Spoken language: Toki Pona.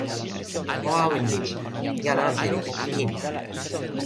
o awen lili. jan ante li toki kin.